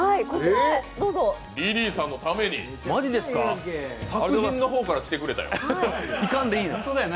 リリーさんのために作品の方から来てくれたよ。